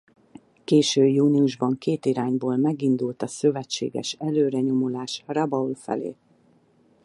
Késő júniusban két irányból megindult a szövetséges előrenyomulás Rabaul felé.